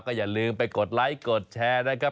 อย่าลืมไปกดไลค์กดแชร์นะครับ